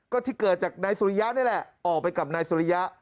ก็ที่เกิดจากนายสุริยะนี่แหละออกไปกับนายสุริยะ